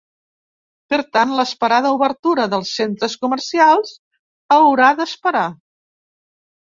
Per tant, l’esperada obertura dels centres comercials haurà d’esperar.